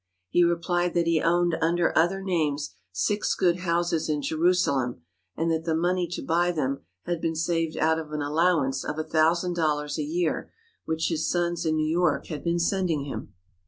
He replied that he owned under other names six good houses in Jerusalem and that the money to buy them had been saved out of an allowance of a thousand dollars a year which his sons in New York had been sending him.